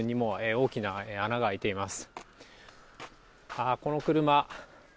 大きな穴が開いています。